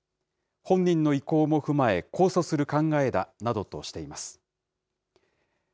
本人の意向も踏まえ、控訴する考えだなどとしています。